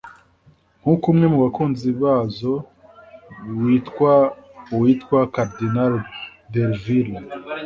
nk’uko umwe mu bakunzi bazo witwa Uwitwa Cardinal Derville